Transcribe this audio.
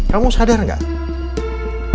kamu sadar gak